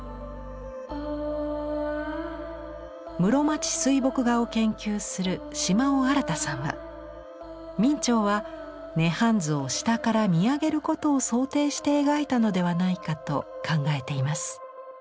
室町水墨画を研究する島尾新さんは明兆は「涅槃図」を下から見上げることを想定して描いたのではないかと考えています。